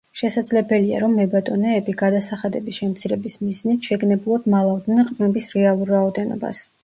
შესაძლებელია, რომ მებატონეები, გადასახადების შემცირების მიზნით, შეგნებულად მალავდნენ ყმების რეალურ რაოდენობას.